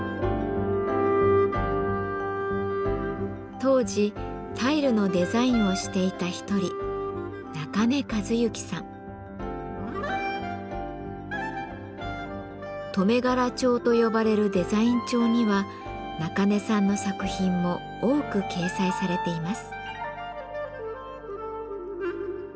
当時タイルのデザインをしていた一人留柄帖と呼ばれるデザイン帳には中根さんの作品も多く掲載されています。